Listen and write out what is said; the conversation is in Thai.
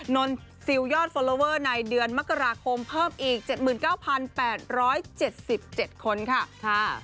นนซิลยอดฟอลลอเวอร์ในเดือนมกราคมเพิ่มอีก๗๙๘๗๗คนค่ะ